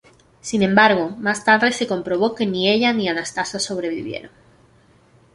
Sin embargo, más tarde se comprobó que ni ella ni Anastasia sobrevivieron.